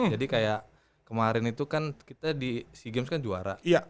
jadi kayak kemarin itu kan kita di sea games kan juara